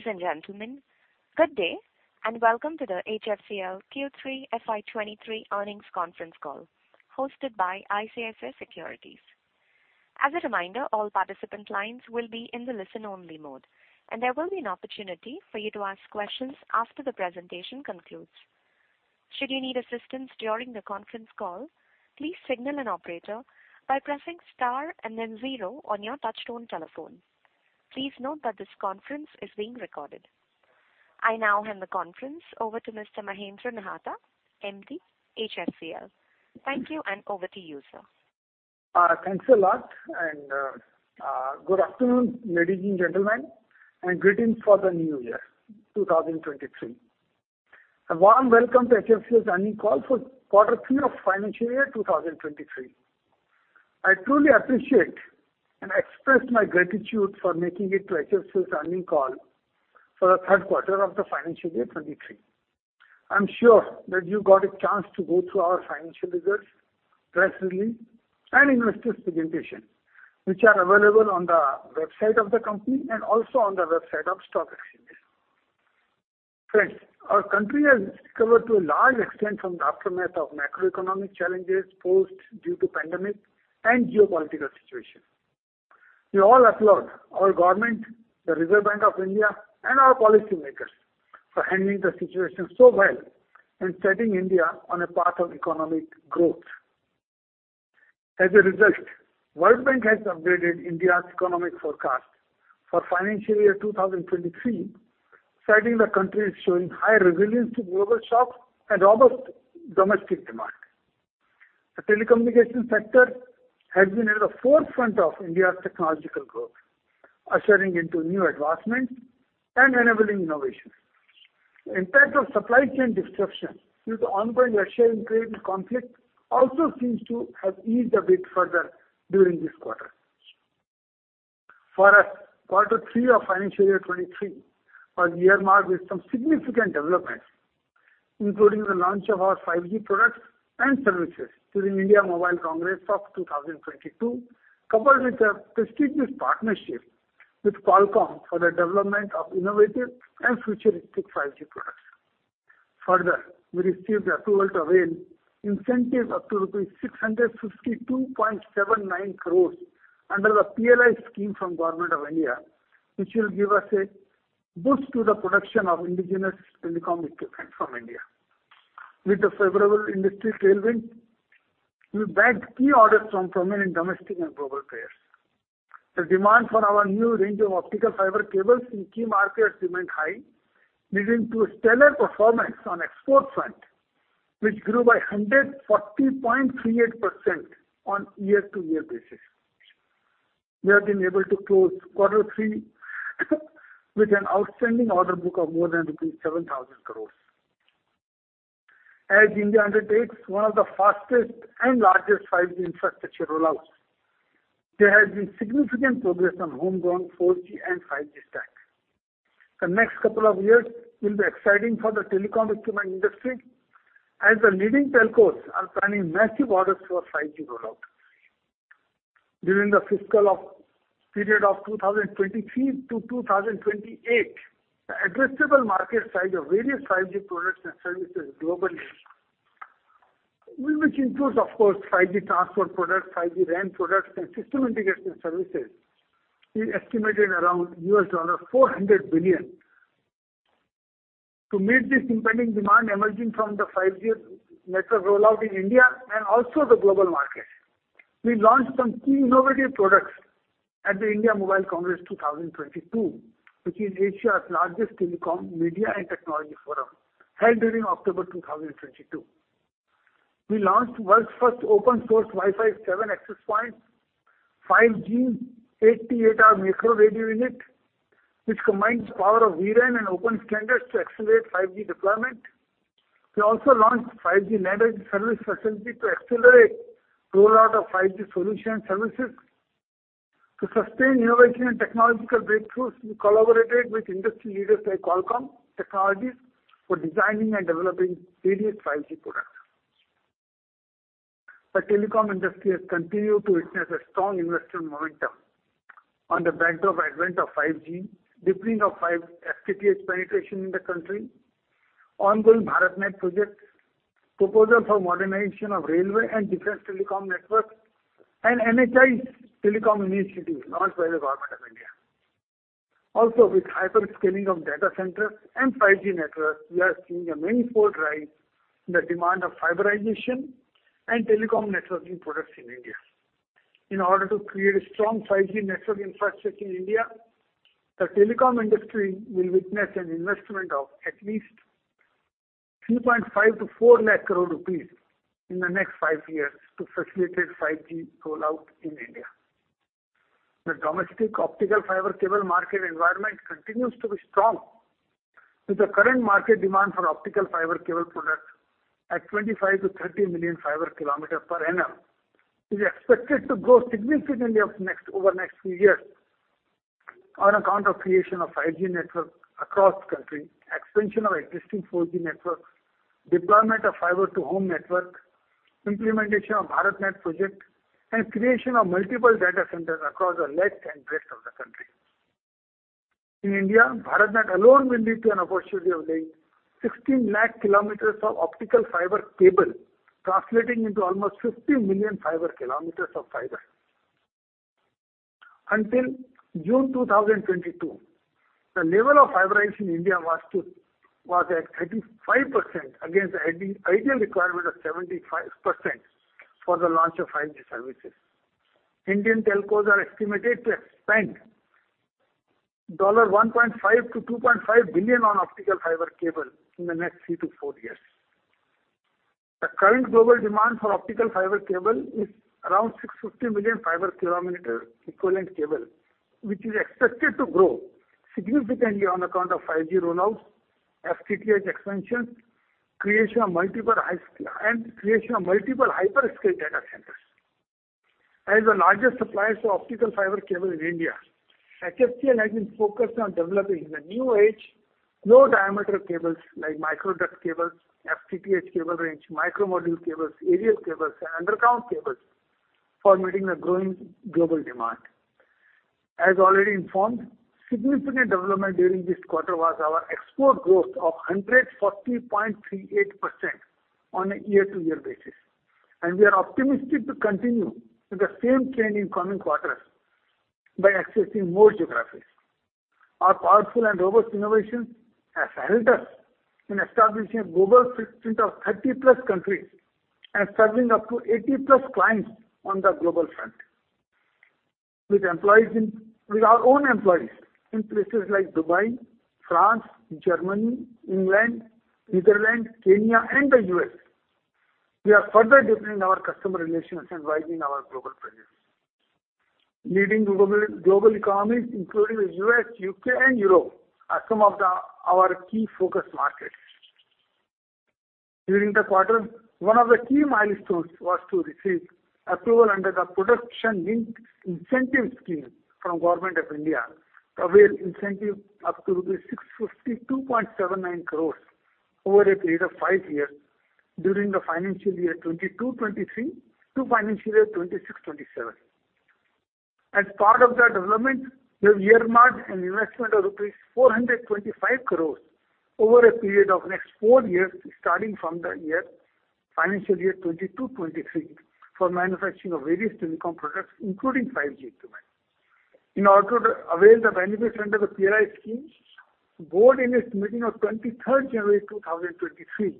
Ladies and gentlemen, good day, and welcome to the HFCL Q3 FY23 earnings conference call hosted by ICICI Securities. As a reminder, all participant lines will be in the listen-only mode, and there will be an opportunity for you to ask questions after the presentation concludes. Should you need assistance during the conference call, please signal an operator by pressing star and then zero on your touchtone telephone. Please note that this conference is being recorded. I now hand the conference over to Mr. Mahendra Nahata, MD, HFCL. Thank you, and over to you, sir. Thanks a lot, good afternoon, ladies and gentlemen, and greetings for the new year, 2023. A warm welcome to HFCL's earnings call for quarter three of financial year 2023. I truly appreciate and express my gratitude for making it to HFCL's earnings call for the third quarter of the financial year 2023. I'm sure that you got a chance to go through our financial results, press release, and investor presentation, which are available on the website of the company and also on the website of stock exchange. Friends, our country has recovered to a large extent from the aftermath of macroeconomic challenges posed due to pandemic and geopolitical situation. We all applaud our government, the Reserve Bank of India, and our policymakers for handling the situation so well and setting India on a path of economic growth. As a result, World Bank has upgraded India's economic forecast for financial year 2023, citing the country is showing high resilience to global shocks and robust domestic demand. The telecommunications sector has been at the forefront of India's technological growth, ushering into new advancements and enabling innovations. Impact of supply chain disruptions due to ongoing Russia-Ukraine conflict also seems to have eased a bit further during this quarter. For us, quarter three of financial year 2023 was earmarked with some significant developments, including the launch of our 5G products and services during India Mobile Congress of 2022, coupled with a prestigious partnership with Qualcomm for the development of innovative and futuristic 5G products. Further, we received the approval to avail incentive up to rupees 652.79 crores under the PLI scheme from Government of India, which will give us a boost to the production of indigenous telecommunication from India. With the favorable industry tailwind, we bagged key orders from prominent domestic and global players. The demand for our new range of optical fiber cables in key markets remained high, leading to a stellar performance on export front, which grew by 140.38% on year-to-year basis. We have been able to close quarter three with an outstanding order book of more than rupees 7,000 crores. As India undertakes one of the fastest and largest 5G infrastructure rollouts, there has been significant progress on homegrown 4G and 5G stack. The next couple of years will be exciting for the telecom equipment industry as the leading telcos are planning massive orders for 5G rollout. During the fiscal of period of 2023 to 2028, the addressable market size of various 5G products and services globally, which includes, of course, 5G transport products, 5G RAN products, and system integration services, is estimated around $400 billion. To meet this impending demand emerging from the 5G network rollout in India and also the global market, we launched some key innovative products at the India Mobile Congress 2022, which is Asia's largest telecom, media, and technology forum, held during October 2022. We launched world's first open source Wi-Fi 7 access point, 5G 8T8R Macro Radio Unit, which combines power of vRAN and open standards to accelerate 5G deployment. We also launched 5G network service facility to accelerate rollout of 5G solution services. To sustain innovation and technological breakthroughs, we collaborated with industry leaders like Qualcomm Technologies for designing and developing various 5G products. The telecom industry has continued to witness a strong investment momentum on the backdrop advent of 5G, deepening of five FTTH penetration in the country, ongoing BharatNet projects, proposal for modernization of railway and defense telecom network, and NHAI's telecom initiatives launched by the Government of India. Also, with hyper-scaling of data centers and 5G networks, we are seeing a manifold rise in the demand of fiberization and telecom networking products in India. In order to create a strong 5G network infrastructure in India, the telecom industry will witness an investment of at least 2.5 lakh crore - 4 lakh crore rupees in the next five years to facilitate 5G rollout in India. The domestic optical fiber cable market environment continues to be strong, with the current market demand for optical fiber cable product at 25-30 million fiber kilometer per annum is expected to grow significantly over next few years on account of creation of 5G network across country, expansion of existing 4G networks, deployment of fiber to home network. Implementation of BharatNet project and creation of multiple data centers across the length and breadth of the country. In India, BharatNet alone will lead to an opportunity of laying 16 lakh kilometers of optical fiber cable, translating into almost 50 million fiber kilometers of fiber. Until June 2022, the level of fiberizing India was at 35% against the ideal requirement of 75% for the launch of 5G services. Indian telcos are estimated to have spent $1.5 billion-$2.5 billion on optical fiber cable in the next 3-4 years. The current global demand for optical fiber cable is around 650 million fiber kilometer equivalent cable, which is expected to grow significantly on account of 5G roll-outs, FTTH expansion, and creation of multiple hyperscale data centers. As the largest supplier for optical fiber cable in India, HFCL has been focused on developing the new age, low diameter cables like microduct cables, FTTH cable range, micro-module cables, aerial cables and underground cables for meeting the growing global demand. As already informed, significant development during this quarter was our export growth of 140.38% on a year-over-year basis, and we are optimistic to continue with the same trend in coming quarters by accessing more geographies. Our powerful and robust innovation has helped us in establishing a global footprint of 30-plus countries and serving up to 80-plus clients on the global front. With our own employees in places like Dubai, France, Germany, England, Netherlands, Kenya and the US, we are further deepening our customer relations and widening our global presence. Leading global economies, including the US, UK and Europe, are some of our key focus markets. During the quarter, one of the key milestones was to receive approval under the Production Linked Incentive Scheme from Government of India, avail incentive up to 652.79 crores over a period of five years during the financial year 2022/2023 to financial year 2026/2027. As part of the development, we have earmarked an investment of rupees 425 crores over a period of next 4 years, starting from financial year 2022/2023, for manufacturing of various telecom products, including 5G equipment. In order to avail the benefits under the PLI scheme, board in its meeting of 23rd January 2023,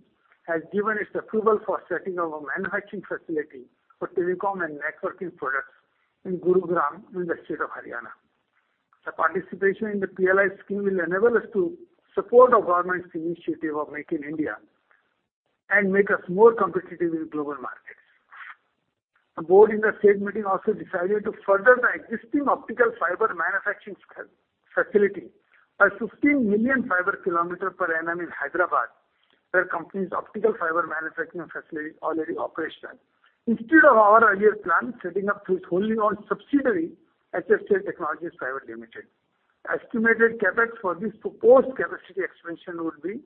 has given its approval for setting up a manufacturing facility for telecom and networking products in Gurugram, in the state of Haryana. The participation in the PLI scheme will enable us to support the government's initiative of Make in India and make us more competitive in global markets. The board in the said meeting also decided to further the existing optical fiber manufacturing facility by 15 million fiber kilometer per annum in Hyderabad, where company's optical fiber manufacturing facility already operates at. Instead of our earlier plan, setting up through its wholly owned subsidiary, HFCL Technologies Private Limited. The estimated CapEx for this proposed capacity expansion would be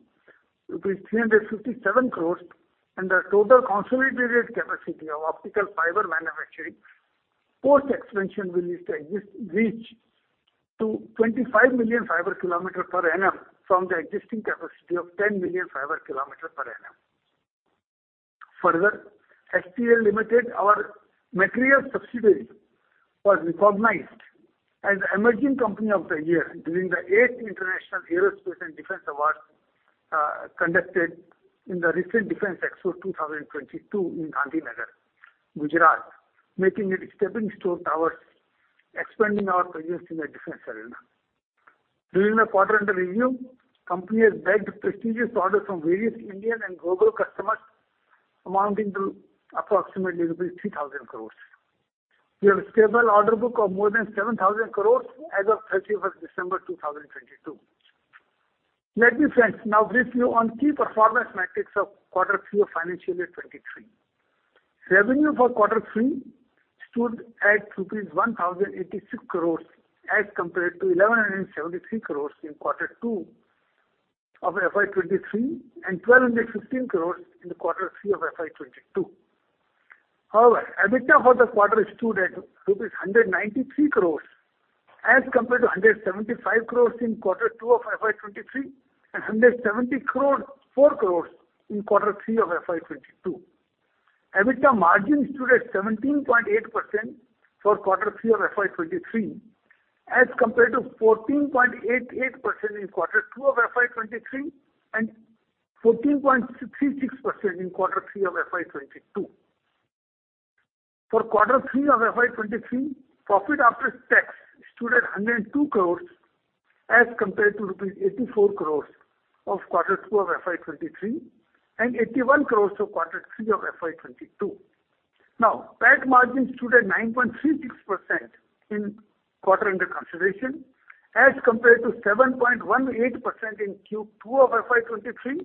357 crores, and the total consolidated capacity of optical fiber manufacturing, post-expansion will reach to 25 million fiber kilometer per annum from the existing capacity of 10 million fiber kilometer per annum. Further, HTL Limited, our material subsidiary, was recognized as Emerging Company of the Year during the 8th International Aerospace and Defence Awards, conducted in the recent DefExpo 2022 in Gandhinagar, Gujarat, making it a stepping stone towards expanding our presence in the defense arena. During the quarter under review, company has bagged prestigious orders from various Indian and global customers amounting to approximately rupees 3,000 crores. We have a stable order book of more than 7,000 crores as of 31st December 2022. Ladies and gents, now briefly on key performance metrics of Q3 of FY23. Revenue for Q3 stood at rupees 1,086 crores as compared to 1,173 crores in Q2 of FY23 and 1,215 crores in the Q3 of FY22. However, EBITDA for the quarter stood at rupees 193 crores as compared to 175 crores in Q2 of FY23 and 174 crores in Q3 of FY22. EBITDA margin stood at 17.8% for Quarter Three of FY 2023 as compared to 14.88% in Quarter Two of FY 2023 and 14.36% in Quarter Three of FY 2022. For Quarter Three of FY 2023, profit after tax stood at 102 crores as compared to rupees 84 crores of Quarter Two of FY 2023 and 81 crores of Quarter Three of FY 2022. PAT margin stood at 9.36% in quarter under consideration as compared to 7.18% in Q2 of FY 2023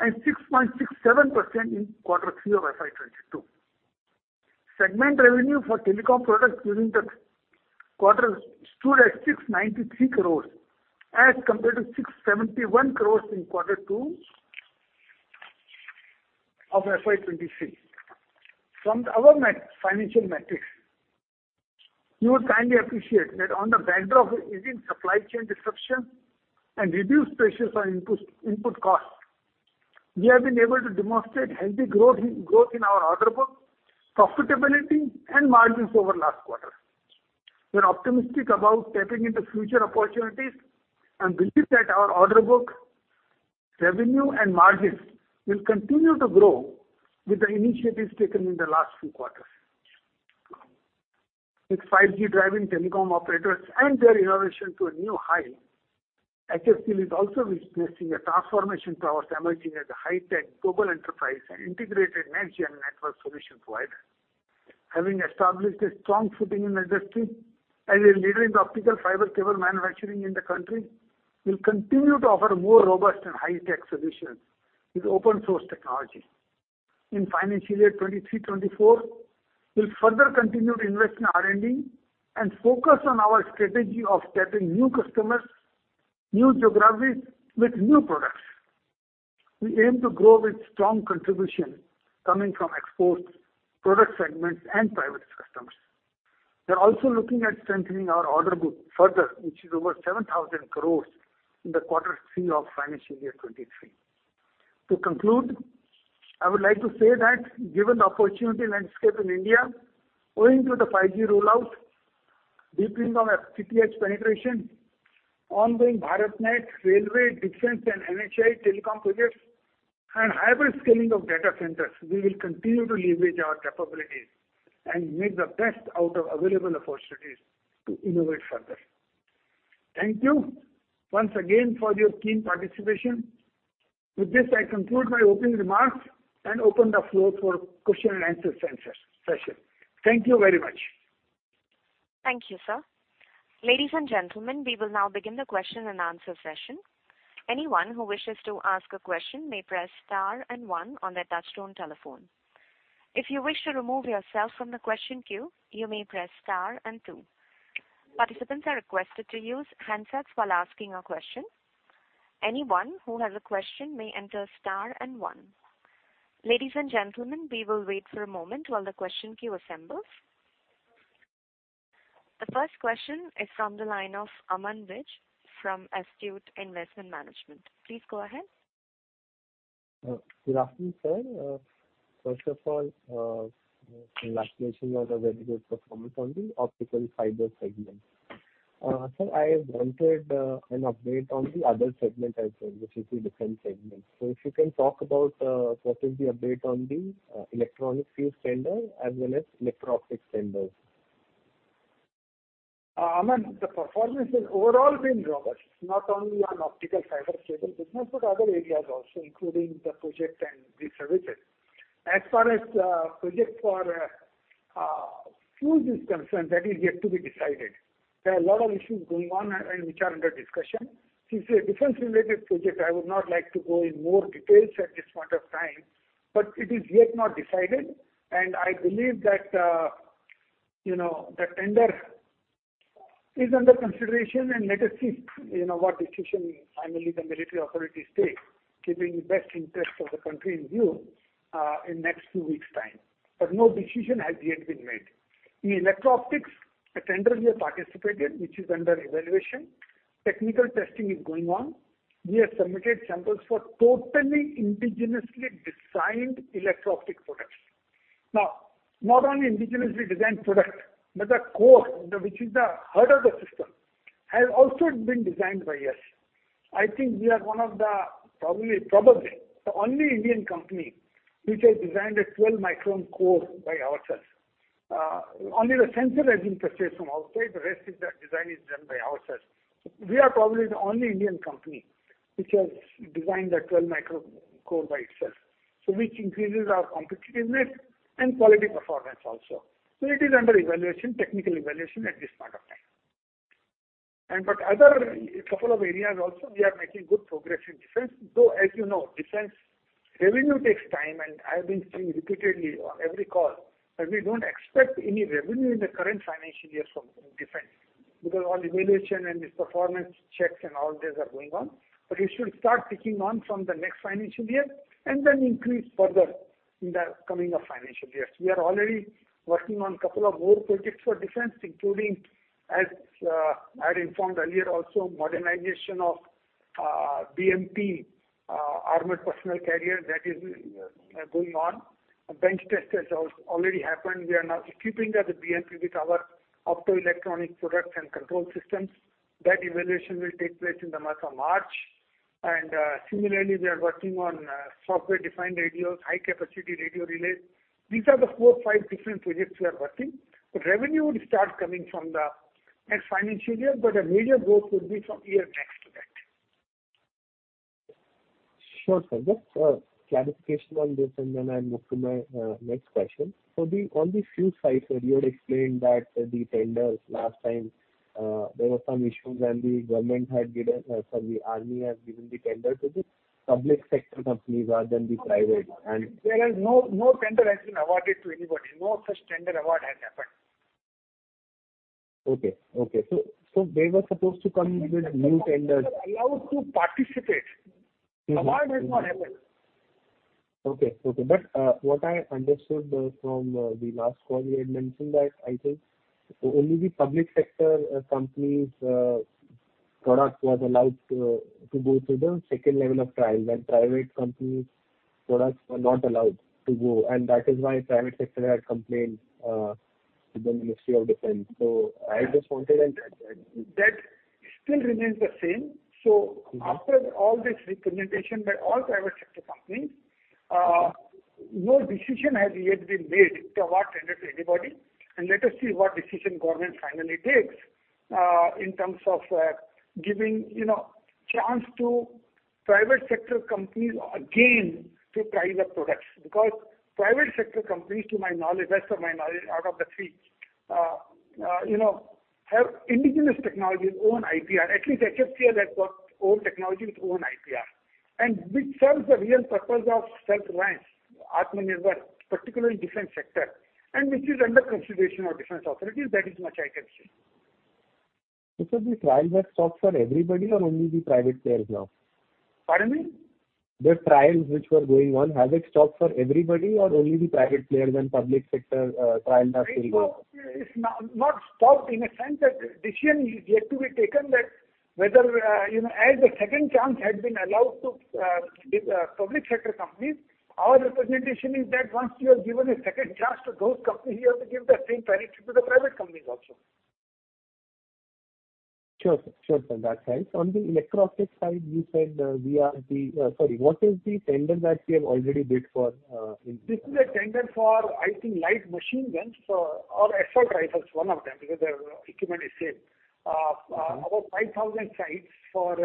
and 6.67% in Quarter Three of FY 2022. Segment revenue for telecom products during the quarter stood at 693 crores as compared to 671 crores in quarter two of FY 2023. From our financial metrics, you will kindly appreciate that on the backdrop of easing supply chain disruptions and reduced pressures on input costs, we have been able to demonstrate healthy growth in our order book, profitability and margins over last quarter. We are optimistic about tapping into future opportunities and believe that our order book, revenue and margins will continue to grow with the initiatives taken in the last few quarters. With 5G driving telecom operators and their innovation to a new high, HFCL is also witnessing a transformation towards emerging as a high-tech global enterprise and integrated next-gen network solutions provider. Having established a strong footing in industry as a leader in optical fiber cable manufacturing in the country, we'll continue to offer more robust and high-tech solutions with open source technology. In financial year 2023, 2024, we'll further continue to invest in R&D and focus on our strategy of tapping new customers, new geographies with new products. We aim to grow with strong contribution coming from exports, product segments and private customers. We are also looking at strengthening our order book further, which is over 7,000 crore in the quarter three of financial year 2023. To conclude, I would like to say that given the opportunity landscape in India owing to the 5G rollout, deepening of FTTX penetration, ongoing BharatNet, railway, defense and NHAI telecom projects and hybrid scaling of data centers, we will continue to leverage our capabilities and make the best out of available opportunities to innovate further. Thank you once again for your keen participation. With this, I conclude my opening remarks and open the floor for question and answer session. Thank you very much. Thank you, sir. Ladies and gentlemen, we will now begin the question and answer session. Anyone who wishes to ask a question may press star one on their touchtone telephone. If you wish to remove yourself from the question queue, you may press star two. Participants are requested to use handsets while asking a question. Anyone who has a question may enter star one. Ladies and gentlemen, we will wait for a moment while the question queue assembles. The first question is from the line of Aman Vij from Astute Investment Management. Please go ahead. Good afternoon, sir. First of all, congratulations on the very good performance on the optical fiber segment. Sir, I wanted an update on the other segment as well, which is the defense segment. If you can talk about what is the update on the electronic fuse tender as well as electro-optic tenders? Aman, the performance has overall been robust, not only on optical fiber cable business, but other areas also, including the project and the services. Project for fuse is concerned, that is yet to be decided. There are a lot of issues going on and which are under discussion. A defense related project, I would not like to go in more details at this point of time, but it is yet not decided, and I believe that, you know, the tender is under consideration and let us see, you know, what decision finally the military authorities take, keeping the best interest of the country in view, in next two weeks' time. No decision has yet been made. In electro-optics, a tender we have participated, which is under evaluation. Technical testing is going on. We have submitted samples for totally indigenously designed electro-optic products. Not only indigenously designed product, but the core, which is the heart of the system, has also been designed by us. I think we are one of the probably the only Indian company which has designed a 12-micron core by ourselves. Only the sensor has been purchased from outside. The rest is design is done by ourselves. We are probably the only Indian company which has designed a 12-micron core by itself, which increases our competitiveness and quality performance also. It is under evaluation, technical evaluation at this point of time. Other couple of areas also, we are making good progress in Defense, though, as you know, Defense revenue takes time, and I have been saying repeatedly on every call that we don't expect any revenue in the current financial year from Defense because all evaluation and its performance checks and all these are going on. It should start picking on from the next financial year and then increase further in the coming of financial years. We are already working on couple of more projects for Defense, including, as I had informed earlier also, modernization of BMP-2 armored personnel carrier that is going on. A bench test has already happened. We are now equipping the BMP-2 with our optoelectronic products and control systems. That evaluation will take place in the month of March. Similarly, we are working on software-defined radios, high-capacity radio relays. These are the four, five different projects we are working. Revenue would start coming from the next financial year, but a major growth would be from year next to that. Sure, sir. Just a clarification on this, and then I'll move to my next question. On the fuse side, sir, you had explained that the tenders last time, there were some issues and the government had given, sorry, the army had given the tender to this public sector companies rather than the private. There is no tender has been awarded to anybody. No such tender award has happened. Okay, okay. They were supposed to come in with new tenders- They were allowed to participate. Award has not happened. Okay. What I understood from the last call you had mentioned that I think only the public sector company's products were allowed to go through the second level of trial, and private companies' products were not allowed to go, and that is why private sector had complained to the Ministry of Defense. I just wanted. That still remains the same. After all this representation by all private sector companies, no decision has yet been made to award tender to anybody. Let us see what decision government finally takes, in terms of, giving, you know, chance to private sector companies again to try their products. Private sector companies, to my knowledge, best of my knowledge, out of the three, you know, have indigenous technology with own IPR. At least HFCL has got own technology with own IPR, and which serves the real purpose of self-reliance, Atmanirbhar, particularly in defense sector, and which is under consideration of defense authorities. That is much I can say. sir, the trial has stopped for everybody or only the private players now? Pardon me? The trials which were going on, have it stopped for everybody or only the private players and public sector, trial has still? It's not not stopped in a sense that decision is yet to be taken that whether, you know, as a second chance had been allowed to the public sector companies, our representation is that once you have given a second chance to those companies, you have to give the same parity to the private companies also. Sure, sir. That's right. On the electro-optic side, you said, sorry, what is the tender that you have already bid for? This is a tender for, I think, light machine guns or assault rifles, one of them, because their equipment is same. about 5,000 sights for,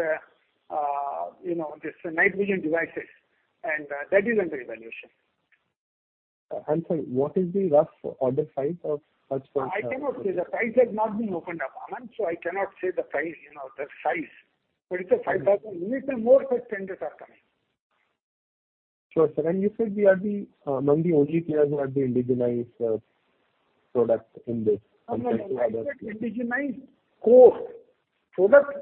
you know, this night vision devices, and that is under evaluation. Sorry, what is the rough order size of such for? I cannot say. The price has not been opened up, Aman, so I cannot say the price, you know, the size. It's a 5,000 unit and more such tenders are coming. Sure, sir. You said we are among the only players who have the indigenized product in this. No, no, I said indigenized core. Product,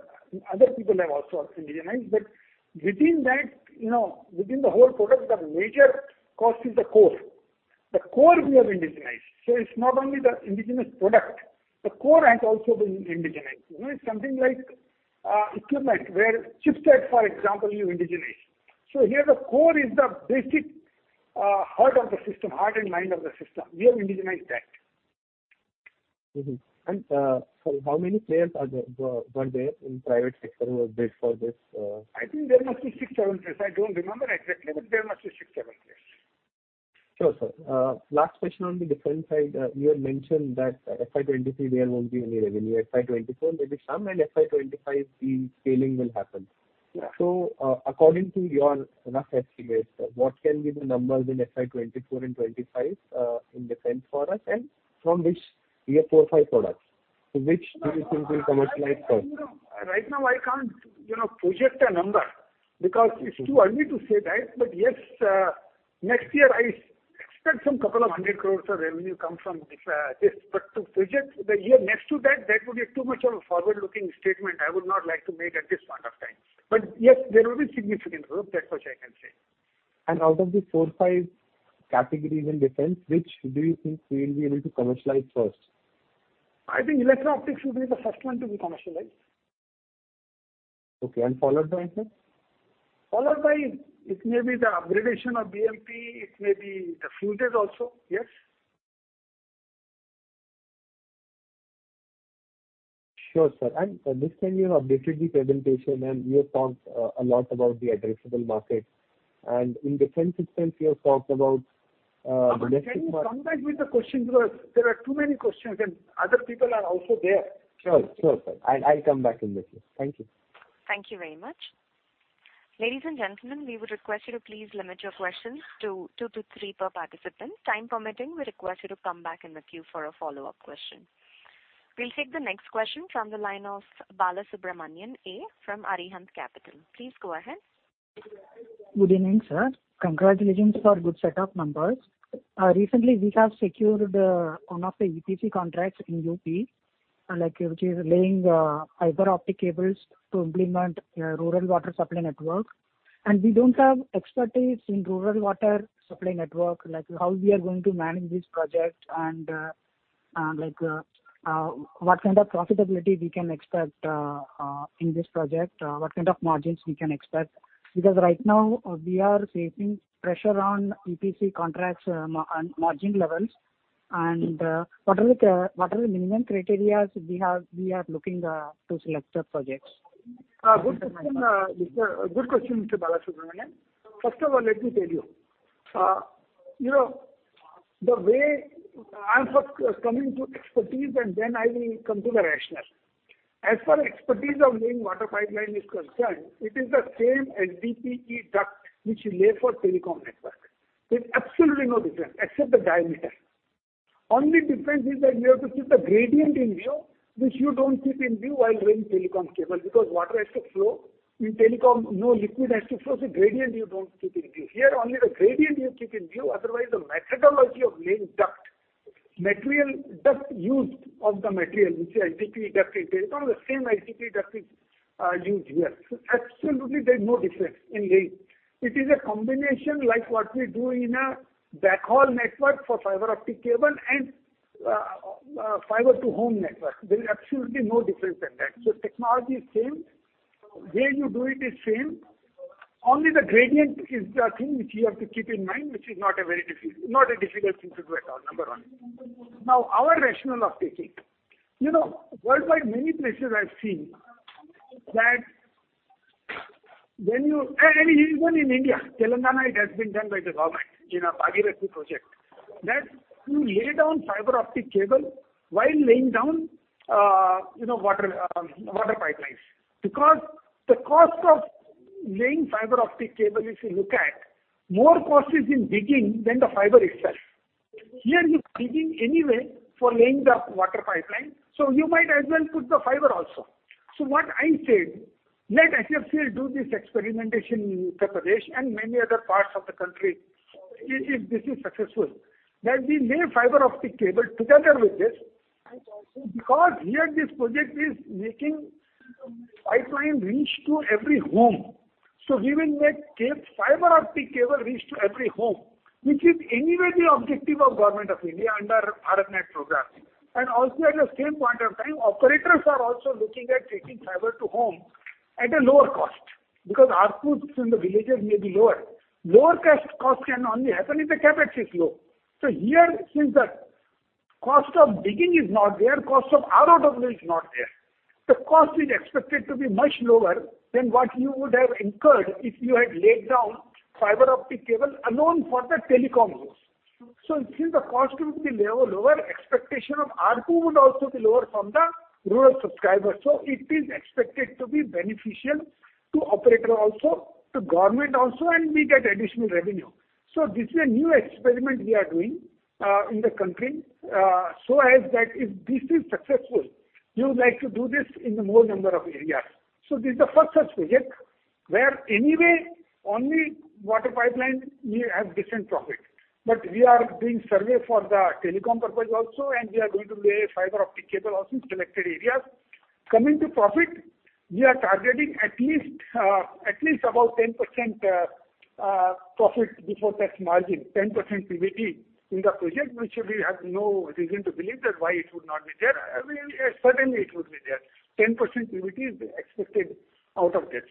other people have also indigenized, but within that, you know, within the whole product, the major cost is the core. The core we have indigenized. It's not only the indigenous product, the core has also been indigenized. You know, it's something like equipment where chipset, for example, you indigenize. Here the core is the basic heart of the system, heart and mind of the system. We have indigenized that. Sorry, how many players were there in private sector who have bid for this? I think there must be six, seven players. I don't remember exactly, but there must be six, seven players. Sure, sir. Last question on the defense side. You had mentioned that FY 2023, there won't be any revenue. FY 2024, maybe some, and FY 2025, the scaling will happen. Yeah. According to your rough estimates, what can be the numbers in FY 24 and 25 in defense for us? We have four, five products. Which do you think will commercialize first? Right now I can't, you know, project a number because it's too early to say that. Yes, next year I expect some 200 crores of revenue come from this. To project the year next to that would be too much of a forward-looking statement I would not like to make at this point of time. Yes, there will be significant growth, that much I can say. Out of the 4, 5 categories in defense, which do you think we will be able to commercialize first? I think electro-optics will be the first one to be commercialized. Okay, followed by which one? Followed by, it may be the upgradation of BMP-2, it may be the filters also, yes. Sure, sir. This time you have updated the presentation, and you have talked, a lot about the addressable market. In defense itself, you have talked about, domestic. Aman, can you come back with the question because there are too many questions and other people are also there. Sure. Sure, sir. I'll come back in the queue. Thank you. Thank you very much. Ladies and gentlemen, we would request you to please limit your questions to two-three per participant. Time permitting, we request you to come back in the queue for a follow-up question. We'll take the next question from the line of Balasubramanian A., from Arihant Capital. Please go ahead. Good evening, sir. Congratulations for good set of numbers. Recently we have secured one of the EPC contracts in UP, like which is laying fiber optic cables to implement rural water supply network. We don't have expertise in rural water supply network, like how we are going to manage this project and what kind of profitability we can expect in this project? What kind of margins we can expect? Because right now, we are facing pressure on EPC contracts on margin levels. What are the minimum criteria we have, we are looking to select the projects? Good question, Mr. Bala Subramanian. First of all, let me tell you know, I'll first coming to expertise, and then I will come to the rationale. As far expertise of laying water pipeline is concerned, it is the same as BPE duct which you lay for telecom network. There's absolutely no difference except the diameter. Only difference is that you have to keep the gradient in view, which you don't keep in view while laying telecom cable because water has to flow. In telecom, no liquid has to flow, so gradient you don't keep in view. Here, only the gradient you keep in view, otherwise the methodology of laying duct used of the material which is IPP duct in telecom, the same IPP duct is used here. Absolutely there's no difference in laying. It is a combination like what we do in a backhaul network for fiber optic cable and fiber to home network. There is absolutely no difference than that. Technology is same. Way you do it is same. Only the gradient is the thing which you have to keep in mind, which is not a very not a difficult thing to do at all, number one. Our rationale of taking. You know, worldwide many places I've seen that when you and even in India, Telangana, it has been done by the government in a Mission Bhagiratha project, that you lay down fiber optic cable while laying down, you know, water pipelines. Because the cost of laying fiber optic cable, if you look at, more cost is in digging than the fiber itself. Here you're digging anyway for laying the water pipeline, you might as well put the fiber also. What I said, let HFC do this experimentation in Chhattisgarh and many other parts of the country, if this is successful, that we lay fiber optic cable together with this. Because here this project is making pipeline reach to every home, we will make fiber optic cable reach to every home, which is anyway the objective of Government of India under BharatNet program. Also at the same point of time, operators are also looking at taking fiber to home at a lower cost because ARPU from the villages may be lower. Lower cost can only happen if the CapEx is low. Here, since the cost of digging is not there, cost of ROW is not there. The cost is expected to be much lower than what you would have incurred if you had laid down fiber optic cable alone for the telecom use. Since the cost will be lower, expectation of ARPU would also be lower from the rural subscribers. It is expected to be beneficial to operator also, to government also, and we get additional revenue. This is a new experiment we are doing in the country, so as that if this is successful, we would like to do this in the more number of areas. This is the first such project where anyway only water pipeline, we have decent profit. We are doing survey for the telecom purpose also, and we are going to lay fiber optic cable also in selected areas. Coming to profit, we are targeting at least about 10%, profit before tax margin, 10% PBT in the project, which we have no reason to believe that why it would not be there. I mean, certainly it would be there. 10% PBT is expected out of this.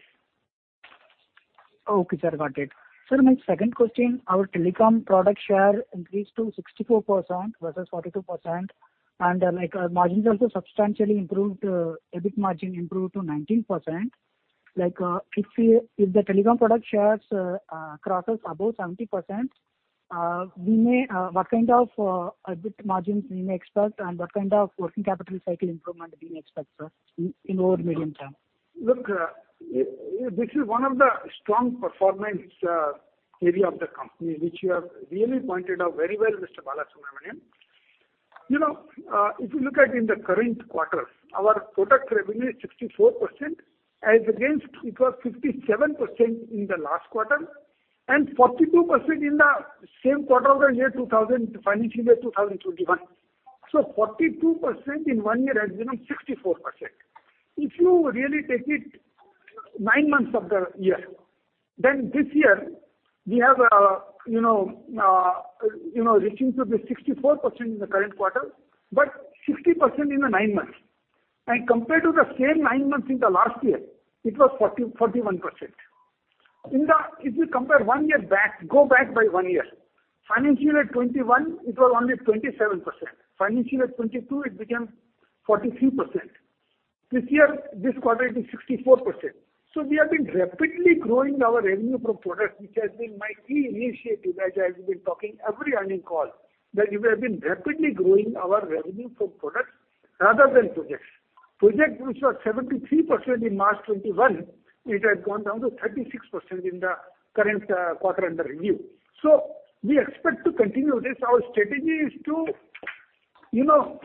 Okay, sir. Got it. Sir, my second question, our telecom product share increased to 64% versus 42%, like our margins also substantially improved, EBIT margin improved to 19%. Like, if the telecom product shares crosses above 70%, we may, what kind of EBIT margins we may expect, and what kind of working capital cycle improvement we may expect, sir, in over medium term? Look, this is one of the strong performance, area of the company, which you have really pointed out very well, Mr. Balasubramaniam. You know, if you look at in the current quarter, our product revenue is 64%, as against it was 57% in the last quarter and 42% in the same quarter of the financial year 2021. 42% in 1 year has become 64%. If you really take it 9 months of the year, then this year we have, you know, you know, reaching to the 64% in the current quarter, but 60% in the 9 months. Compared to the same 9 months in the last year, it was 41%. If you compare one year back, go back by one year, financial year 2021, it was only 27%. Financial year 2022, it became 43%. This year, this quarter it is 64%. We have been rapidly growing our revenue from product, which has been my key initiative, as I have been talking every earnings call. That we have been rapidly growing our revenue from products rather than projects. Project which was 73% in March 2021, it has gone down to 36% in the current quarter under review. We expect to continue this. Our strategy is to, you know,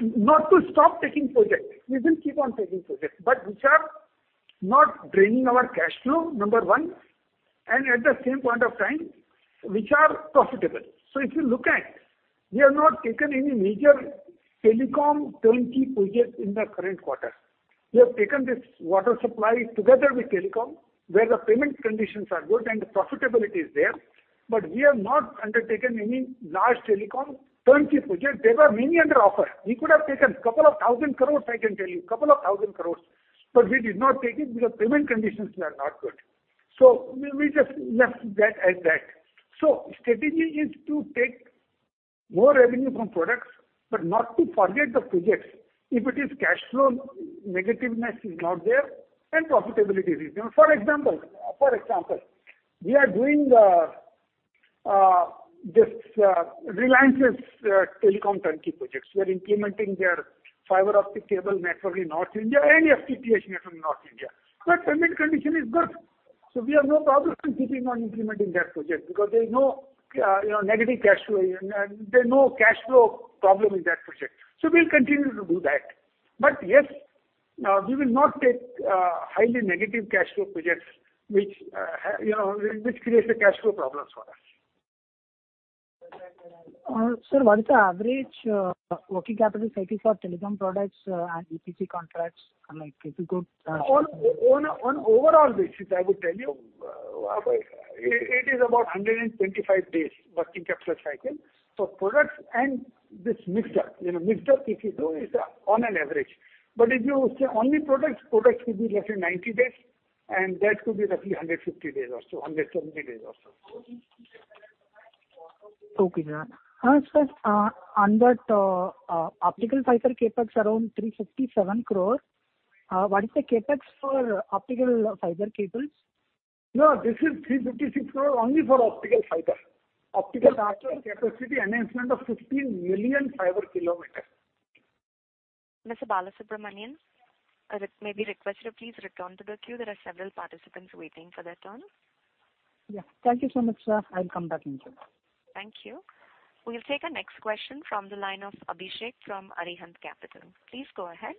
not to stop taking projects. We will keep on taking projects, but which are not draining our cash flow, number 1, and at the same point of time, which are profitable. If you look, we have not taken any major telecom turnkey project in the current quarter. We have taken this water supply together with telecom, where the payment conditions are good and the profitability is there, but we have not undertaken any large telecom turnkey project. There were many under offer. We could have taken 2,000 crores, I can tell you, 2,000 crores, but we did not take it because payment conditions were not good. We just left that at that. Strategy is to take more revenue from products, but not to forget the projects. If it is cash flow, negativeness is not there and profitability is there. For example, we are doing this Reliance's telecom turnkey projects. We are implementing their fiber optic cable network in North India and FTTH network in North India. Payment condition is good. So we have no problem keeping on implementing that project because there is no, you know, negative cash flow. There's no cash flow problem in that project. We'll continue to do that. Yes, we will not take highly negative cash flow projects which have, you know, which creates a cash flow problems for us. Sir, what is the average, working capital cycle for telecom products, and EPC contracts, unlike if you could? Overall basis, I would tell you, it is about 125 days working capital cycle. Products and this mixture, you know, if you do is on an average. If you say only products will be roughly 90 days, and that could be roughly 150 days or so, 170 days or so. Okay. sir, on that, optical fiber CapEx around 357 crore. What is the CapEx for optical fiber cables? No, this is INR 356 crore only for optical fiber. Okay. Optical fiber capacity enhancement of 15 million fiber kilometer. Mr. Balasubramanian, may be requested to please return to the queue. There are several participants waiting for their turn. Yeah. Thank you so much, sir. I'll come back in queue. Thank you. We'll take our next question from the line of Abhishek from Arihant Capital. Please go ahead.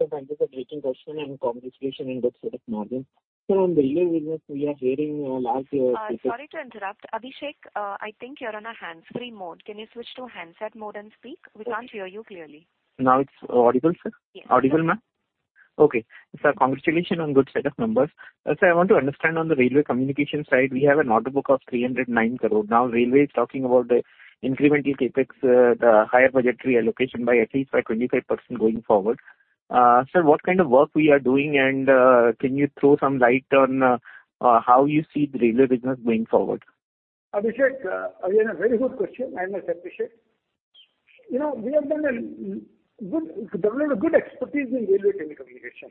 Sir, thank you for taking question and congratulations in good set of margin. On the railway business, we are hearing last year. Sorry to interrupt. Abhishek, I think you're on a hands-free mode. Can you switch to handset mode and speak? We can't hear you clearly. Now it's audible, sir? Yes. Audible, ma'am? Okay. Congratulations on good set of numbers. I want to understand on the railway communication side, we have an order book of 309 crore. Railway is talking about the incremental CapEx, the higher budgetary allocation by at least by 25% going forward. Sir, what kind of work we are doing? Can you throw some light on how you see the railway business going forward? Abhishek, again, a very good question. I must appreciate. You know, we have developed a good expertise in railway telecommunication.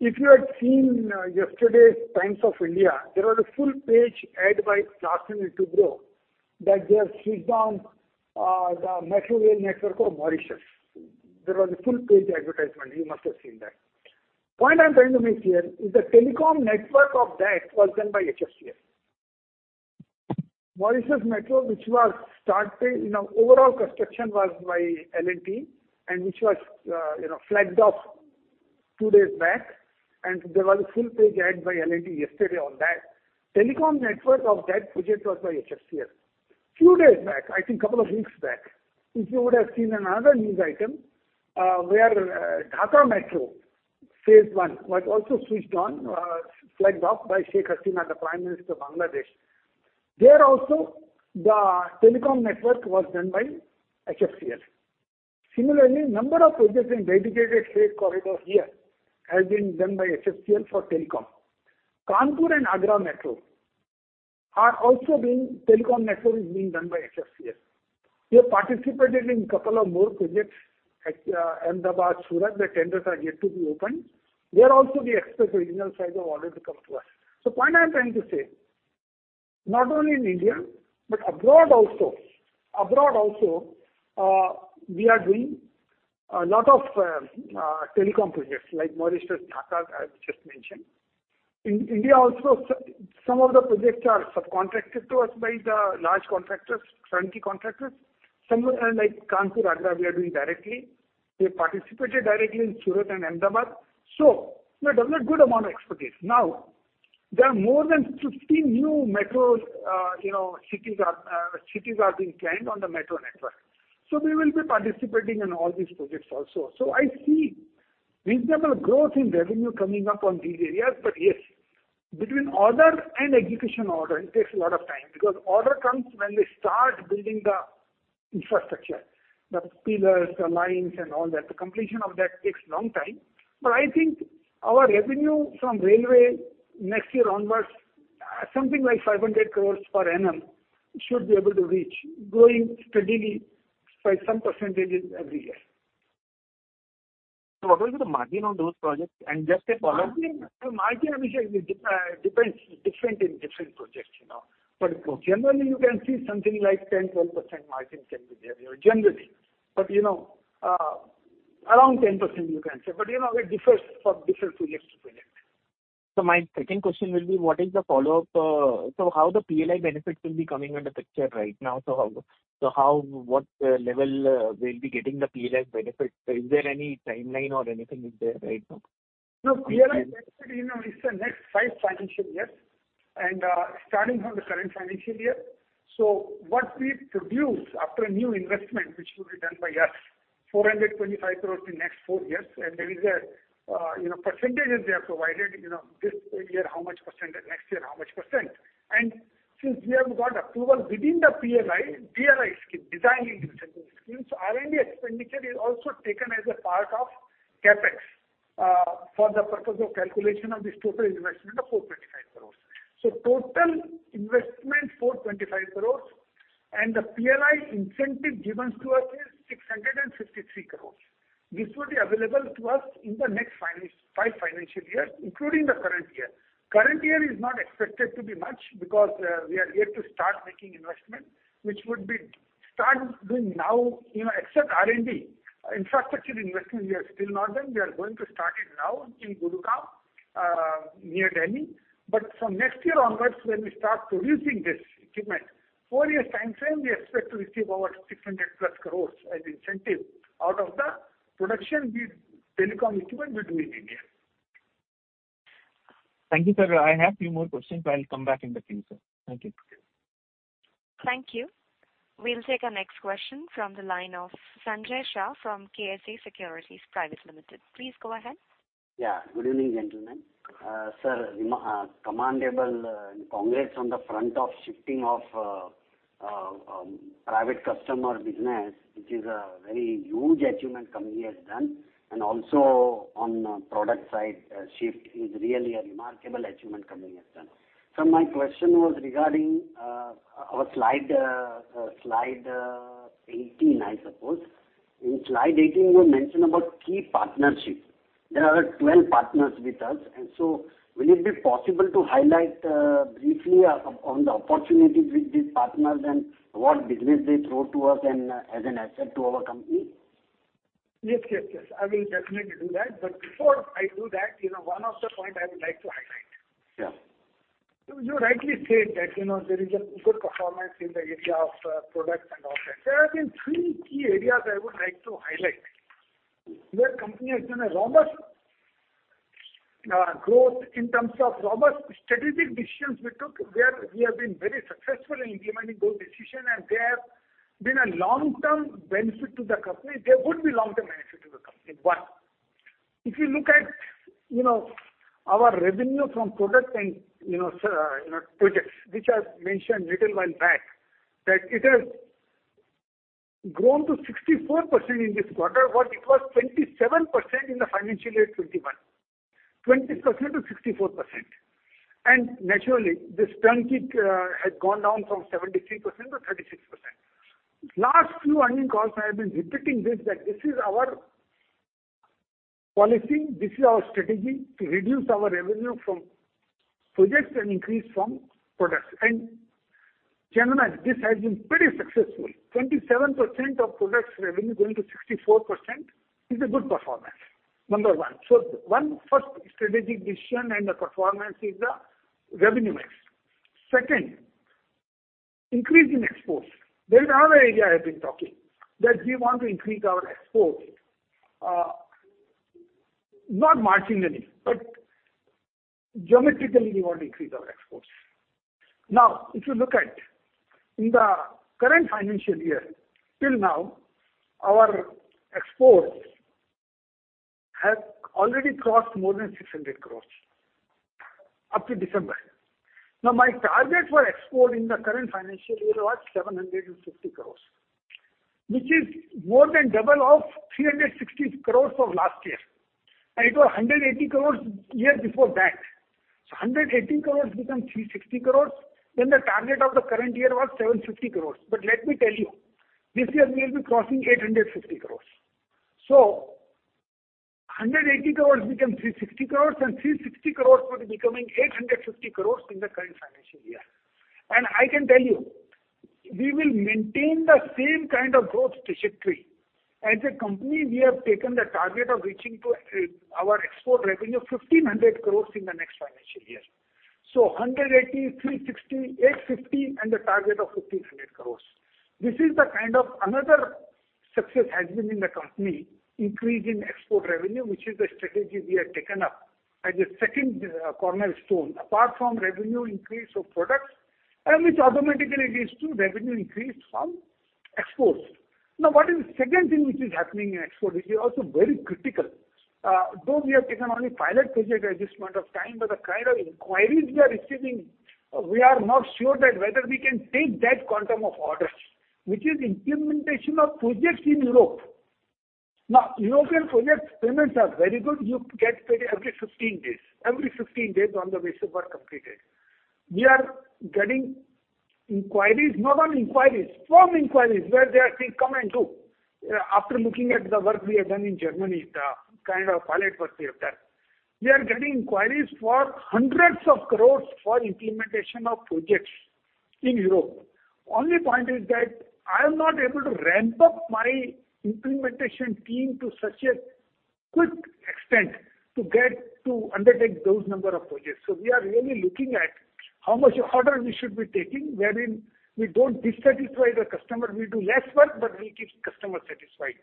If you had seen yesterday's Times of India, there was a full page ad by Thales Integro that they have switched on the metro rail network of Mauritius. There was a full page advertisement. You must have seen that. Point I'm trying to make here is the telecom network of that was done by HFCL. Mauritius Metro, which was started, you know, overall construction was by L&T, and which was, you know, flagged off two days back. There was a full page ad by L&T yesterday on that. Telecom network of that project was by HFCL. Few days back, I think couple of weeks back, if you would have seen another news item, where Dhaka Metro phase one was also switched on, flagged off by Sheikh Hasina, the Prime Minister of Bangladesh. There also the telecom network was done by HFCL. Similarly, number of projects in dedicated freight corridor here has been done by HFCL for telecom. Kanpur and Agra Metro telecom network is being done by HFCL. We have participated in couple of more projects at Ahmedabad, Surat. The tenders are yet to be opened. There also the express original side have already come to us. Point I'm trying to say, not only in India, but abroad also. Abroad also, we are doing a lot of telecom projects like Mauritius, Dhaka, I just mentioned. In India also, some of the projects are subcontracted to us by the large contractors, turnkey contractors. Some are like Kanpur, Agra, we are doing directly. We participated directly in Surat and Ahmedabad. We have developed good amount of expertise. Now, there are more than 15 new metros, you know, cities are being planned on the metro network. We will be participating in all these projects also. I see reasonable growth in revenue coming up on these areas. Yes, between order and execution order, it takes a lot of time because order comes when they start building the infrastructure, the pillars, the lines and all that. The completion of that takes long time. I think our revenue from railway next year onwards, something like 500 crore per annum should be able to reach, growing steadily by some % every year. What will be the margin on those projects? Just a follow up. Margin, Abhishek, depends. Different in different projects, you know. Generally, you can see something like 10%-12% margin can be there. Generally. You know, around 10% you can say. You know, it differs from different project to project. My second question will be what is the follow-up, so how the PLI benefits will be coming on the picture right now? What level we'll be getting the PLI benefits? Is there any timeline or anything is there right now? No, PLI benefit, you know, is the next five financial years, starting from the current financial year. What we produce after a new investment, which will be done by us, 425 crores in next four years. There is a, you know, percentages they have provided. You know, this year how much % and next year how much %. Since we have got approval within the PLI, DRI scheme, Design Linked Incentive scheme. R&D expenditure is also taken as a part of CapEx for the purpose of calculation of this total investment of 425 crores. Total investment 425 crores and the PLI incentive given to us is 653 crores. This will be available to us in the next five financial years, including the current year. Current year is not expected to be much because we are yet to start making investment, which would be start doing now, you know, except R&D. Infrastructure investment, we are still not done. We are going to start it now in Gurugram, near Delhi. From next year onwards, when we start producing this equipment, four years timeframe, we expect to receive over 600+ crores as incentive out of the production we telecom equipment we do in India. Thank you, sir. I have few more questions, but I'll come back in the queue, sir. Thank you. Thank you. We'll take our next question from the line of Sanjay Shah from KSA Securities Private Limited. Please go ahead. Good evening, gentlemen. Sir, commendable, congrats on the front of shifting of private customer business, which is a very huge achievement company has done, and also on product side, shift is really a remarkable achievement company has done. My question was regarding our slide 18, I suppose. In slide 18, you have mentioned about key partnerships. There are 12 partners with us, will it be possible to highlight briefly on the opportunities with these partners and what business they throw to us as an asset to our company? Yes, yes. I will definitely do that. Before I do that, you know, one of the point I would like to highlight. Yeah. You rightly said that, you know, there is a good performance in the area of products and all that. There have been three key areas I would like to highlight. Here company has done a robust growth in terms of robust strategic decisions we took, where we have been very successful in implementing those decision, and they have been a long-term benefit to the company. They would be long-term benefit to the company. One, if you look at, you know, our revenue from product and, you know, projects which I've mentioned little while back, that it has grown to 64% in this quarter what it was 27% in the financial year 2021. 20% to 64%. Naturally, this turnkey has gone down from 73% to 36%. Last few earning calls I have been repeating this, that this is our policy, this is our strategy to reduce our revenue from projects and increase from products. Generally, this has been pretty successful. 27% of products revenue going to 64% is a good performance. Number one. One first strategic decision and the performance is the revenue mix. Second, increase in exports. There is another area I've been talking, that we want to increase our export. Not marginally, but geometrically we want to increase our exports. If you look at in the current financial year till now, our exports have already crossed more than 600 crores up to December. My target for export in the current financial year was 750 crores, which is more than double of 360 crores of last year. It was 180 crores year before that. Hundred and eighty crores become 360 crores, then the target of the current year was 750 crores. Let me tell you, this year we'll be crossing 850 crores. Hundred eighty crores become 360 crores, and 360 crores would becoming 850 crores in the current financial year. I can tell you, we will maintain the same kind of growth trajectory. As a company, we have taken the target of reaching to our export revenue 1,500 crores in the next financial year. Hundred eighty, three sixty, eight fifty, and the target of 1,500 crores. This is the kind of another success has been in the company, increase in export revenue, which is the strategy we have taken up as a second cornerstone, apart from revenue increase of products, which automatically leads to revenue increase from exports. What is second thing which is happening in export, which is also very critical. Though we have taken only pilot project as this point of time, but the kind of inquiries we are receiving, we are not sure that whether we can take that quantum of orders, which is implementation of projects in Europe. European projects payments are very good. You get paid every 15 days. Every 15 days on the basis work completed. We are getting inquiries, not only inquiries, firm inquiries, where they are saying, "Come and do." After looking at the work we have done in Germany, the kind of pilot work we have done. We are getting inquiries for hundreds of crores for implementation of projects in Europe. Only point is that I am not able to ramp up my implementation team to such a quick extent to get to undertake those number of projects. We are really looking at how much order we should be taking, wherein we don't dissatisfy the customer. We do less work, but we keep customer satisfied.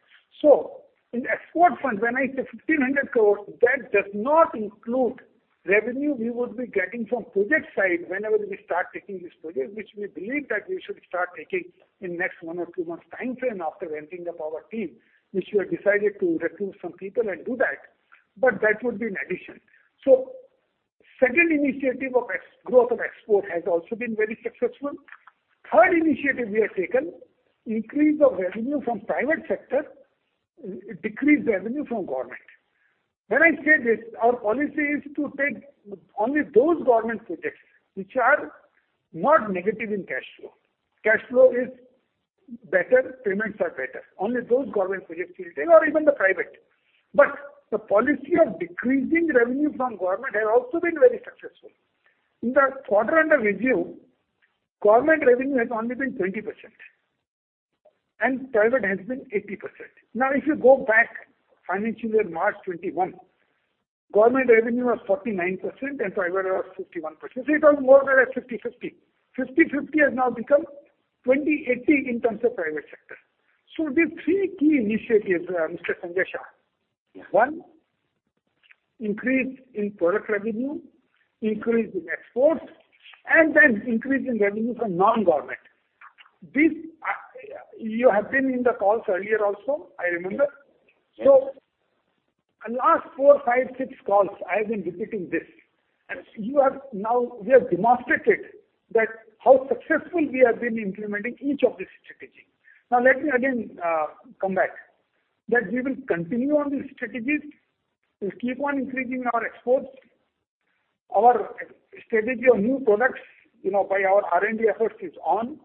In export front, when I say 1,500 crores, that does not include revenue we would be getting from project side whenever we start taking these projects, which we believe that we should start taking in next 1 or 2 months timeframe after ramping up our team, which we have decided to recruit some people and do that, but that would be in addition. Second initiative of growth of export has also been very successful. Third initiative we have taken, increase of revenue from private sector, decrease revenue from government. When I say this, our policy is to take only those government projects which are not negative in cashflow. Cashflow is better, payments are better. Only those government projects we'll take or even the private. The policy of decreasing revenue from government has also been very successful. In the quarter under review, government revenue has only been 20% and private has been 80%. If you go back financial year, March 2021, government revenue was 49% and private was 51%. It was more or less 50-50. 50-50 has now become 20-80 in terms of private sector. The three key initiatives, Mr. Sanjay Shah, one, increase in product revenue, increase in exports, and then increase in revenue from non-government. This, you have been in the calls earlier also, I remember. Last four, five, six calls, I have been repeating this. Now we have demonstrated that how successful we have been implementing each of this strategy. Let me again come back, that we will continue on these strategies. We'll keep on increasing our exports. Our strategy on new products, you know, by our R&D efforts is on,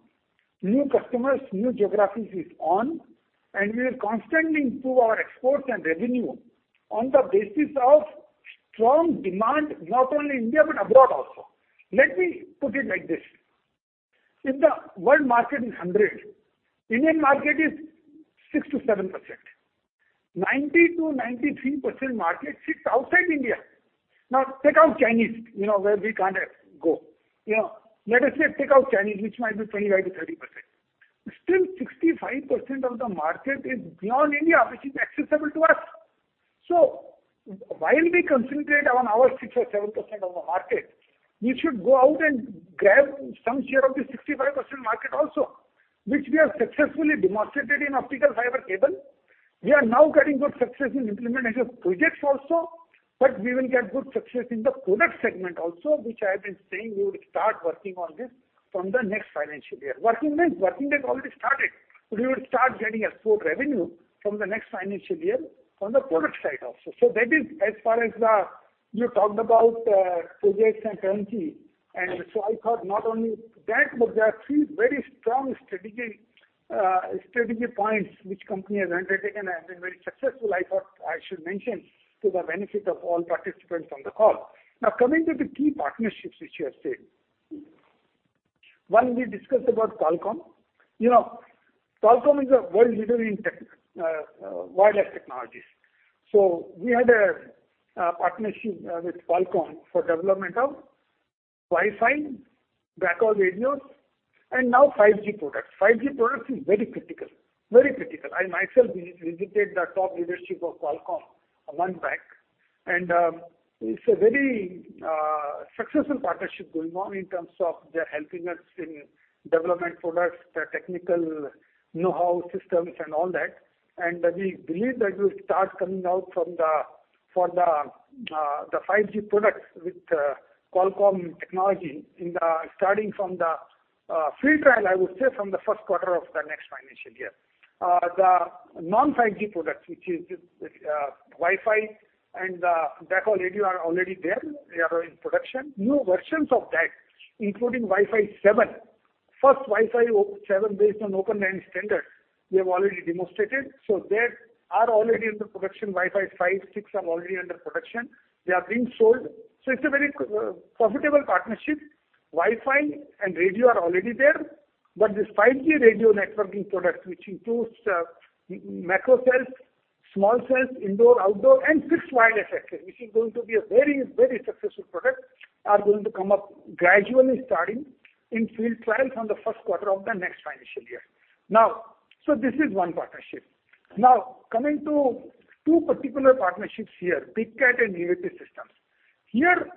new customers, new geographies is on, we will constantly improve our exports and revenue on the basis of strong demand, not only India, but abroad also. Let me put it like this: If the world market is 100, Indian market is 6%-7%. 90%-93% market sits outside India. Take out Chinese, you know, where we can't go. You know, let us say take out Chinese, which might be 25%-30%. Still 65% of the market is beyond India, which is accessible to us. While we concentrate on our 6% or 7% of the market, we should go out and grab some share of the 65% market also, which we have successfully demonstrated in optical fiber cable. We are now getting good success in implementation of projects also, we will get good success in the product segment also, which I have been saying we would start working on this from the next financial year. Working means working has already started, we will start getting export revenue from the next financial year on the product side also. That is as far as the You talked about projects and turnkey, and so I thought not only that, but there are three very strong strategic strategy points which company has undertaken and been very successful, I thought I should mention to the benefit of all participants on the call. Coming to the key partnerships which you have said. One, we discussed about Qualcomm. You know, Qualcomm is a world leader in tech wireless technologies. We had a partnership with Qualcomm for development of Wi-Fi, backhaul radios, and now 5G products. 5G products is very critical. I myself visited the top leadership of Qualcomm 1 month back. It's a very successful partnership going on in terms of they're helping us in development products, the technical know-how systems and all that. We believe that will start coming out from the 5G products with Qualcomm technology starting from the free trial, I would say from the first quarter of the next financial year. The non-5G products, which is Wi-Fi and the backhaul radio are already there. They are in production. New versions of that, including Wi-Fi 7. First Wi-Fi 7 based on Open RAN standards, we have already demonstrated. That are already under production. Wi-Fi 5, 6 are already under production. They are being sold. It's a very profitable partnership. Wi-Fi and radio are already there. This 5G radio networking product, which includes macro cells, small cells, indoor, outdoor, and fixed wireless access, which is going to be a very, very successful product, are going to come up gradually starting in field trials from the first quarter of the next financial year. This is one partnership. Coming to two particular partnerships here, BigCat and Nivetti Systems. Here,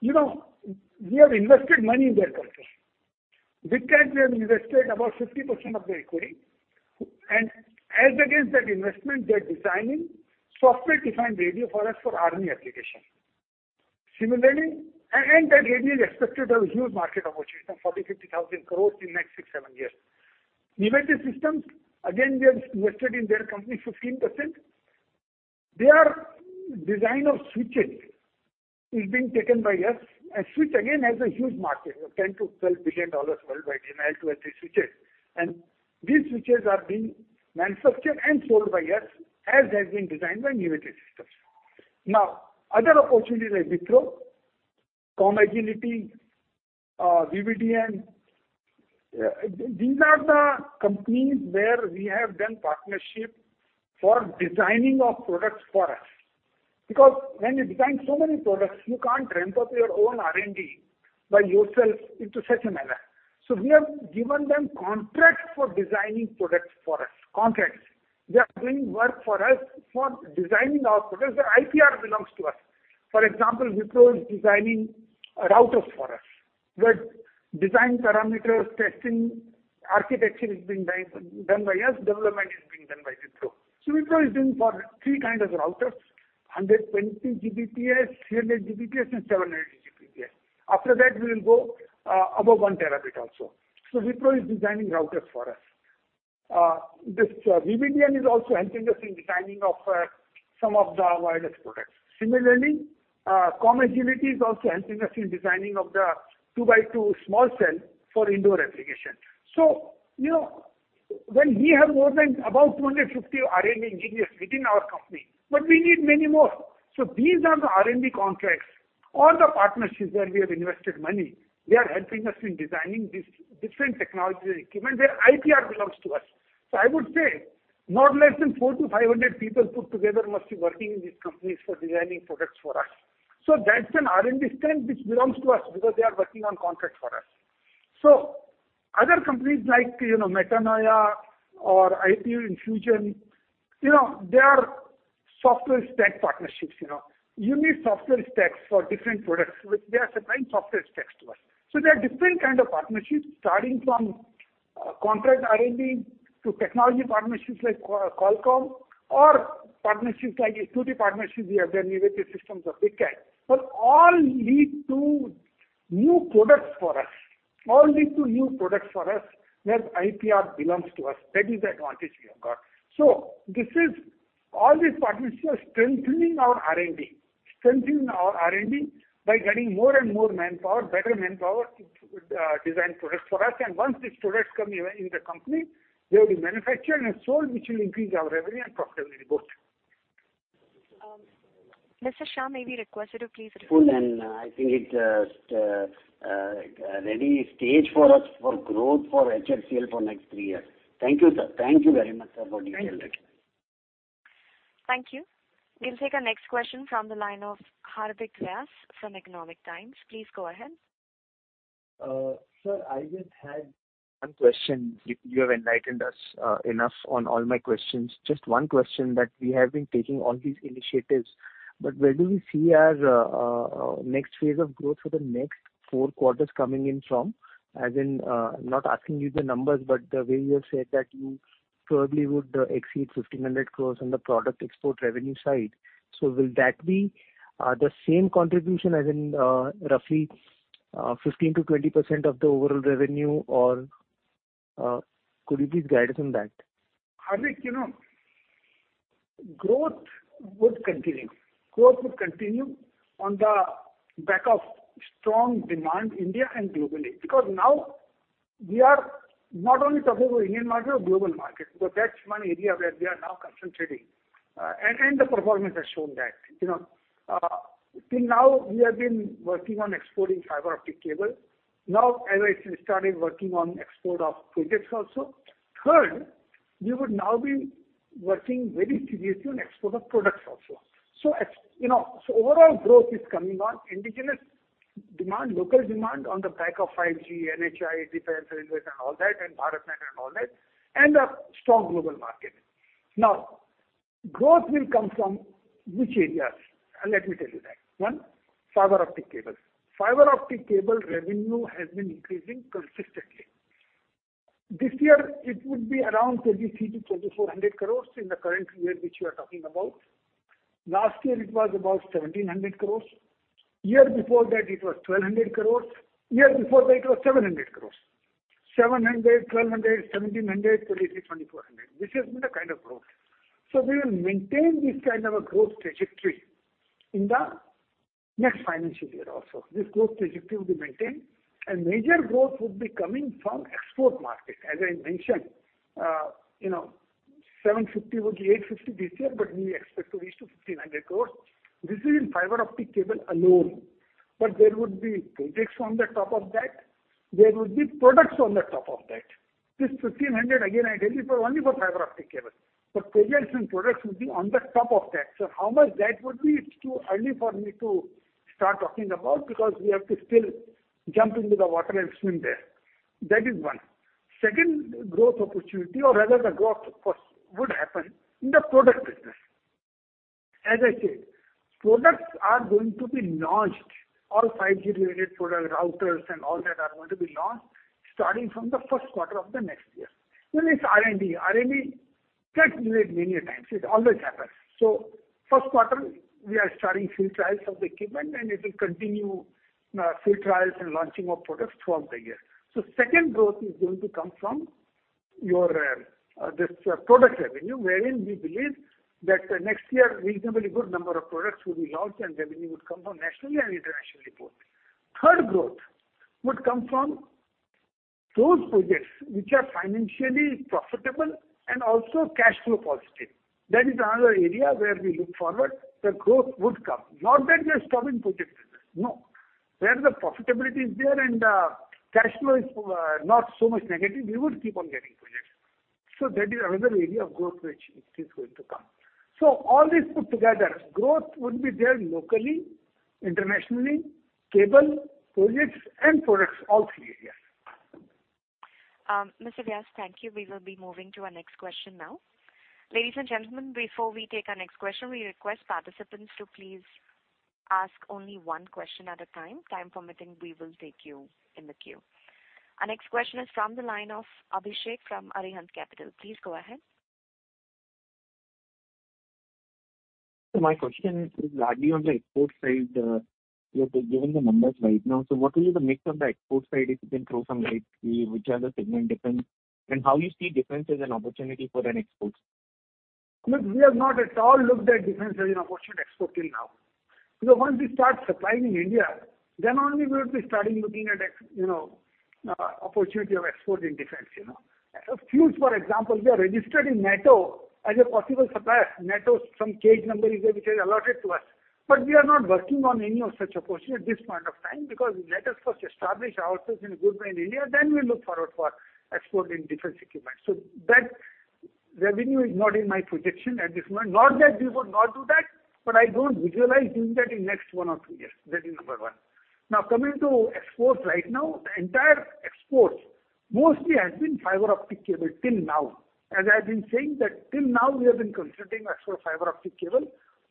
you know, we have invested money in their company. BigCat, we have invested about 50% of their equity. As against that investment, they're designing software-defined radio for us for army application. That radio is expected a huge market opportunity, some 40,000-50,000 crores in next 6-7 years. Nivetti Systems, again, we have invested in their company 15%. Their design of switches is being taken by us, switch again has a huge market of $10 billion-$12 billion worldwide in L2/L3 switches. These switches are being manufactured and sold by us as they have been designed by Nivetti Systems. Now, other opportunities like Wipro, CommAgility, VVDN, these are the companies where we have done partnership for designing of products for us. Because when you design so many products, you can't ramp up your own R&D by yourself into such a manner. We have given them contracts for designing products for us. Contracts. They are doing work for us for designing our products. The IPR belongs to us. For example, Wipro is designing routers for us, where design parameters, testing, architecture is being done by us, development is being done by Wipro. Wipro is doing for three kinds of routers: 120 Gbps, 300 Gbps, and 700 Gbps. After that, we will go above 1 terabit also. Wipro is designing routers for us. This VVDN is also helping us in designing of some of the wireless products. Similarly, Comm Agility is also helping us in designing of the 2x2 small cell for indoor application. You know. Well, we have more than about 250 R&D engineers within our company, but we need many more. These are the R&D contracts or the partnerships where we have invested money. They are helping us in designing these different technologies and equipment where IPR belongs to us. I would say not less than 400-500 people put together must be working in these companies for designing products for us. That's an R&D strength which belongs to us because they are working on contract for us. Other companies like, you know, Metanoia or IP Infusion, you know, they are software stack partnerships, you know. You need software stacks for different products, which they are supplying software stacks to us. There are different kind of partnerships starting from contract R&D to technology partnerships like Qualcomm or partnerships like SUTI partnerships we have done with the systems of BigCat. All lead to new products for us. All lead to new products for us where IPR belongs to us. That is the advantage we have got. All these partnerships are strengthening our R&D, strengthening our R&D by getting more and more manpower, better manpower to design products for us. Once these products come in the company, they will be manufactured and sold, which will increase our revenue and profitability both. Mr. Shah, may we request you to please repeat. Good. I think it ready stage for us for growth for HFCL for next three years. Thank you, sir. Thank you very much, sir, for detailed explanation. Thank you. We'll take our next question from the line of Hardik Vyas from Economic Times. Please go ahead. Sir, I just had one question. You have enlightened us enough on all my questions. Just one question, that we have been taking all these initiatives, but where do we see our next phase of growth for the next 4 quarters coming in from? As in, not asking you the numbers, but the way you have said that you probably would exceed 1,500 crore on the product export revenue side. Will that be the same contribution as in, roughly, 15%-20% of the overall revenue or, could you please guide us on that? Hardik, you know, growth would continue. Growth would continue on the back of strong demand, India and globally, because now we are not only talking about Indian market or global market, but that's one area where we are now concentrating. The performance has shown that. You know, till now we have been working on exporting fiber optic cable. As I say, started working on export of projects also. Third, we would now be working very seriously on export of products also. You know, overall growth is coming on indigenous demand, local demand on the back of 5G, NHAI, defense, railways and all that, and Bharat Net and all that, and a strong global market. Growth will come from which areas? Let me tell you that. One, fiber optic cables. Fiber optic cable revenue has been increasing consistently. This year it would be around 2,300-2,400 crores in the current year, which we are talking about. Last year it was about 1,700 crores. Year before that it was 1,200 crores. Year before that it was 700 crores. 700, 1,200, 1,700, 2,300, 2,400. This has been the kind of growth. We will maintain this kind of a growth trajectory in the next financial year also. This growth trajectory will be maintained, and major growth would be coming from export market. As I mentioned, you know, 750 would be 850 this year, but we expect to reach to 1,500 crores. This is in fiber optic cable alone. There would be projects on the top of that. There would be products on the top of that. This 1,500, again, I tell you, for only for fiber optic cable. Projects and products would be on the top of that. How much that would be, it's too early for me to start talking about because we have to still jump into the water and swim there. That is one. Second growth opportunity or rather the growth first would happen in the product business. As I said, products are going to be launched, all 5G related product routers and all that are going to be launched starting from the first quarter of the next year. Well, it's R&D. R&D gets delayed many a times. It always happens. First quarter we are starting field trials of the equipment, and it will continue field trials and launching of products throughout the year. Second growth is going to come from your, this, product revenue, wherein we believe that next year reasonably good number of products will be launched and revenue would come from nationally and internationally both. Third growth would come from those projects which are financially profitable and also cash flow positive. That is another area where we look forward, the growth would come. Not that we are stopping projects. No. Where the profitability is there and cash flow is not so much negative, we would keep on getting projects. That is another area of growth which it is going to come. All this put together, growth would be there locally, internationally, cable, projects and products, all three areas. Mr. Vyas, thank you. We will be moving to our next question now. Ladies and gentlemen, before we take our next question, we request participants to please ask only one question at a time. Time permitting, we will take you in the queue. Our next question is from the line of Abhishek from Arihant Capital. Please go ahead. My question is largely on the export side. You have given the numbers right now. What will be the mix on the export side, if you can throw some light, which are the segment difference and how you see difference as an opportunity for an exports? Look, we have not at all looked at defense as an opportunity export till now. Once we start supplying in India, then only we would be starting looking at you know, opportunity of export in defense, you know. A few, for example, we are registered in NATO as a possible supplier. NATO, some CAGE code is there which is allotted to us. We are not working on any of such opportunity at this point of time because let us first establish ourselves in a good way in India, then we look forward for export in defense equipment. That revenue is not in my projection at this point. Not that we would not do that, but I don't visualize doing that in next one or two years. That is number one. Now, coming to exports right now, the entire exports mostly has been fiber optic cable till now. As I've been saying that till now we have been concentrating actual fiber optic cable.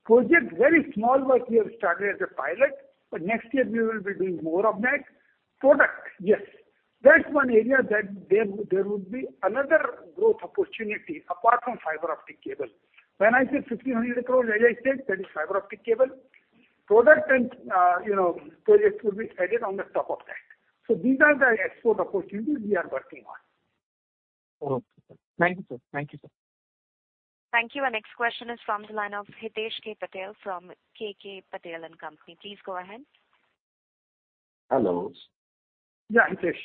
Project, very small work we have started as a pilot, but next year we will be doing more of that. Product, yes. That's one area that there would be another growth opportunity apart from fiber optic cable. When I say 1,500 crores, as I said, that is fiber optic cable. Product and, you know, project will be added on the top of that. These are the export opportunities we are working on. Okay. Thank you, sir. Thank you, sir. Thank you. Our next question is from the line of Hitesh K. Patel from KK Patel & Company. Please go ahead. Hello. Yeah, Hitesh.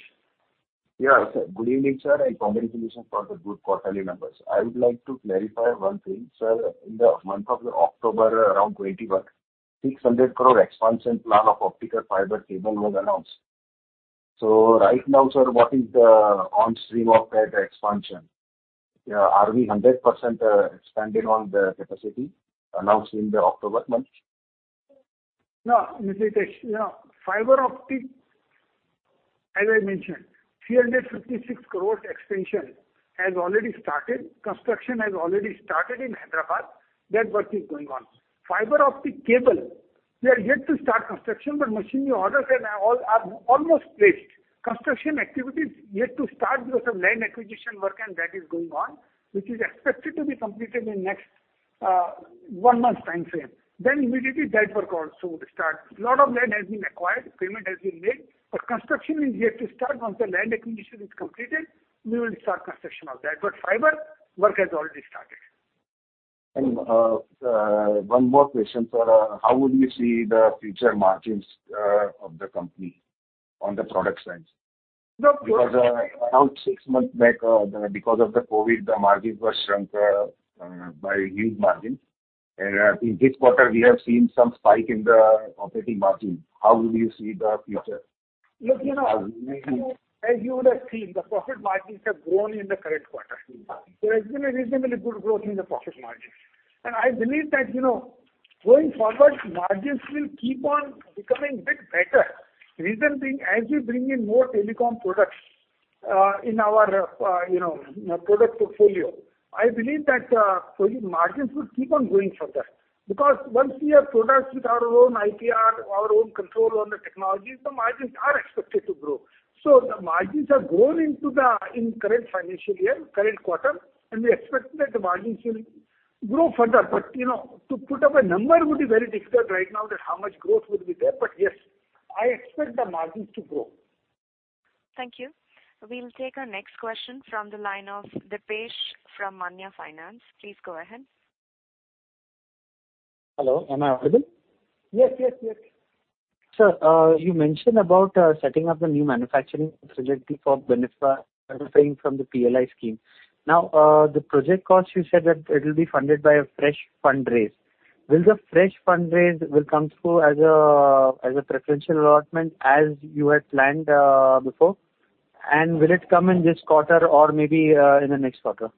Yeah, sir. Good evening, sir, and congratulations for the good quarterly numbers. I would like to clarify one thing, sir. In the month of October, around 21,600 crore expansion plan of optical fiber cable was announced. Right now, sir, what is the on stream of that expansion? Are we 100% expanded on the capacity announced in the October month? No. Hitesh, no. Fiber optic, as I mentioned, 356 crore expansion has already started. Construction has already started in Hyderabad. That work is going on. Fiber optic cable, we are yet to start construction, but machinery orders and all are almost placed. Construction activity is yet to start because of land acquisition work and that is going on, which is expected to be completed in next one month timeframe. Immediately that work also would start. A lot of land has been acquired, payment has been made, but construction is yet to start. Once the land acquisition is completed, we will start construction of that. Fiber work has already started. One more question, sir. How would you see the future margins of the company on the product side? The product- Around six months back, because of the COVID, the margin was shrunk by huge margin. In this quarter we have seen some spike in the operating margin. How will you see the future? Look, you know, as you would have seen, the profit margins have grown in the current quarter. There has been a reasonably good growth in the profit margins. I believe that, you know, going forward, margins will keep on becoming bit better. Reason being, as we bring in more telecom products in our, you know, product portfolio, I believe that margins will keep on growing further. Because once we have products with our own IPR, our own control on the technology, the margins are expected to grow. The margins have grown into the, in current financial year, current quarter, and we expect that the margins will grow further. You know, to put up a number would be very difficult right now that how much growth would be there. Yes, I expect the margins to grow. Thank you. We'll take our next question from the line of Dipesh from Maanya Finance. Please go ahead. Hello, am I audible? Yes, yes. Sir, you mentioned about setting up a new manufacturing facility for benefiting from the PLI scheme. Now, the project cost, you said that it will be funded by a fresh fundraise. Will the fresh fundraise come through as a preferential allotment, as you had planned before? Will it come in this quarter or maybe in the next quarter?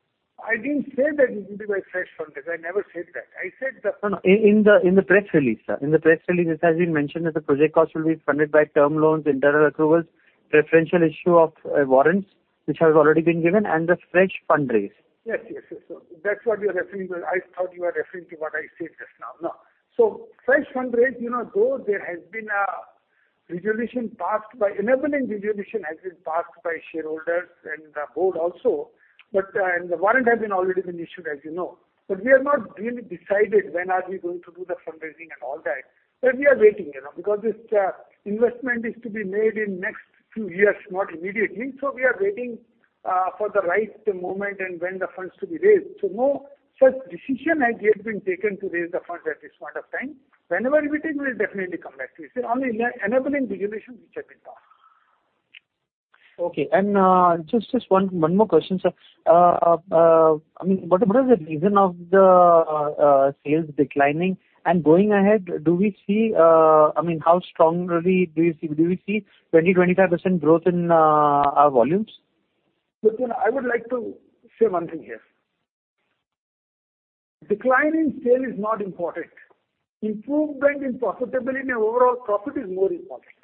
I didn't say that it will be by fresh fundraise. I never said that. I said. No. In the press release, sir. In the press release it has been mentioned that the project cost will be funded by term loans, internal accruals, preferential issue of warrants, which has already been given, and the fresh fundraise. Yes, yes. That's what you're referring to. I thought you were referring to what I said just now. No. Fresh fundraise, you know, though there has been a resolution passed by Enabling resolution has been passed by shareholders and the board also, but, and the warrant has been already been issued, as you know. We have not really decided when are we going to do the fundraising and all that. We are waiting, you know, because this investment is to be made in next few years, not immediately. We are waiting for the right moment and when the funds to be raised. No such decision has yet been taken to raise the funds at this point of time. Whenever we take, we'll definitely come back to you. See, only enabling resolution which has been passed. Okay. Just one more question, sir. I mean, what is the reason of the sales declining? Going ahead, do we see, I mean, how strongly do you see, do we see 20-25% growth in our volumes? Look, you know, I would like to say one thing here. Decline in sale is not important. Improvement in profitability and overall profit is more important.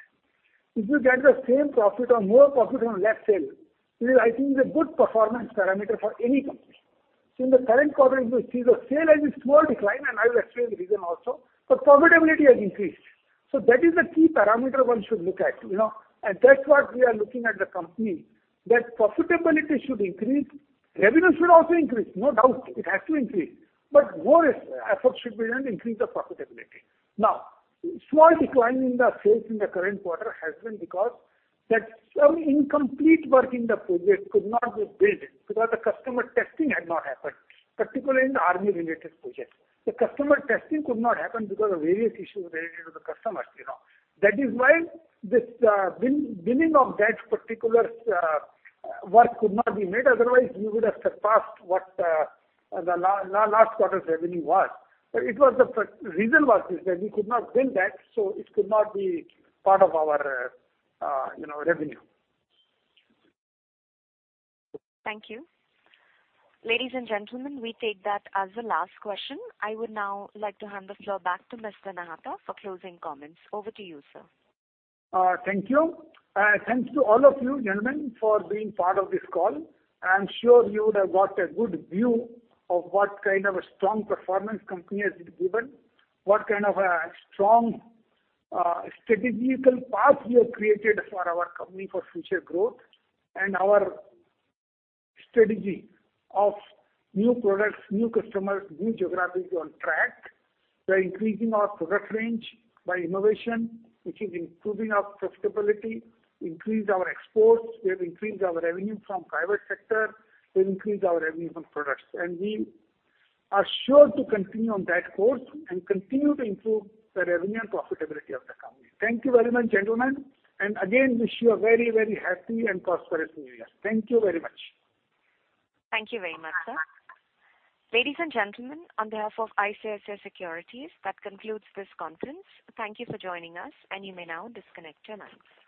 If you get the same profit or more profit on less sale, it is I think the good performance parameter for any company. In the current quarter, if you see the sale has been small decline, and I will explain the reason also, but profitability has increased. That is the key parameter one should look at, you know. That's what we are looking at the company, that profitability should increase. Revenue should also increase. No doubt it has to increase. More effort should be on increase of profitability. Now, small decline in the sales in the current quarter has been because that some incomplete work in the project could not be billed because the customer testing had not happened, particularly in the army related projects. The customer testing could not happen because of various issues related to the customers, you know. That is why this, bill, billing of that particular work could not be made. Otherwise we would have surpassed what, the last quarter's revenue was. It was the reason was this, that we could not bill that, so it could not be part of our, you know, revenue. Thank you. Ladies and gentlemen, we take that as the last question. I would now like to hand the floor back to Mr. Nahata for closing comments. Over to you, sir. Thank you. Thanks to all of you gentlemen for being part of this call. I am sure you would have got a good view of what kind of a strong performance company has given, what kind of a strong, strategical path we have created for our company for future growth, and our strategy of new products, new customers, new geographies on track. We are increasing our product range by innovation, which is improving our profitability, increased our exports. We have increased our revenue from private sector. We increased our revenue from products. We are sure to continue on that course and continue to improve the revenue and profitability of the company. Thank you very much, gentlemen, and again wish you a very, very happy and prosperous new year. Thank you very much. Thank you very much, sir. Ladies and gentlemen, on behalf of ICICI Securities, that concludes this conference. Thank you for joining us, and you may now disconnect your lines.